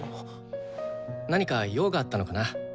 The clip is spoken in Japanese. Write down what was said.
何か用があったのかな？